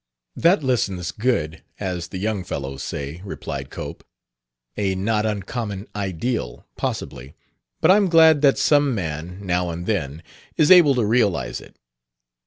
"That listens good as the young fellows say," replied Cope. "A not uncommon ideal, possibly; but I'm glad that some man, now and then, is able to realize it."